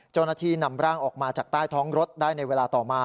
เจ้าหน้าที่นำร่างออกมาจากใต้ท้องรถได้ในเวลาต่อมา